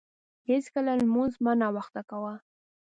هیڅکله لمونځ مه ناوخته کاوه.